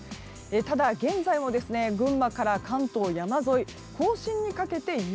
ただ、現在も群馬から関東山沿い甲信にかけて雪。